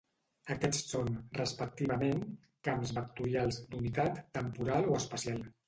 Aquests són, respectivament, camps vectorials "d'unitat" temporal o espacial.